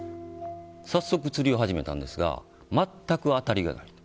早速、釣りを始めたんですが全く当たりがない。